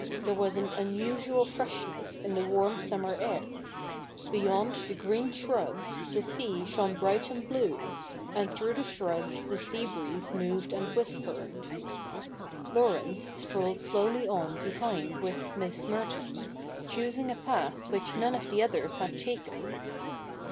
There was an unusual freshness in the warm summer air. Beyond the green shrubs the sea shone bright and blue ; and through the shrubs the sea breeze moved and whispered. Laurence strolled slowly on behind with Miss Merton, choosing a path which none of the others had taken.